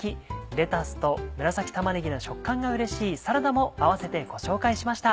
レタスと紫玉ねぎの食感がうれしいサラダも併せてご紹介しました